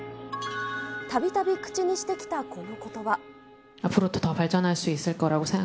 たびたび口にしてきた、このことば。